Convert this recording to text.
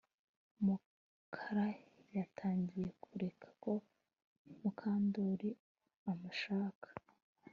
Mukara yatangiye gukeka ko Mukandoli amushuka